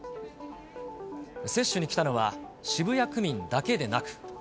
接種に来たのは、渋谷区民だけでなく。